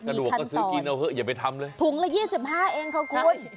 กระดวกก็ซื้อกินเอาเถอะอย่าไปทำเลยถุงละยี่สิบห้าเองครับคุณ